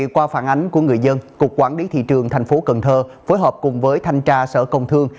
qua phản ánh của người dân cục quản lý thị trường tp cn phối hợp cùng với thanh tra sở công thương